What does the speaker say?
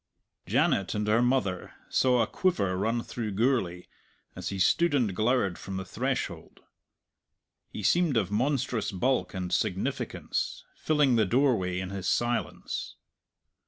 Janet and her mother saw a quiver run through Gourlay as he stood and glowered from the threshold. He seemed of monstrous bulk and significance, filling the doorway in his silence.